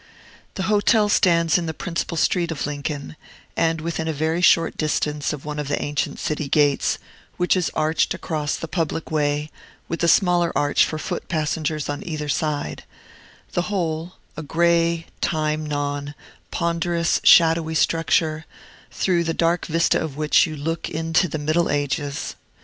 This hotel stands in the principal street of Lincoln, and within a very short distance of one of the ancient city gates, which is arched across the public way, with a smaller arch for foot passengers on either side; the whole, a gray, time gnawn, ponderous, shadowy structure, through the dark vista of which you look into the Middle Ages.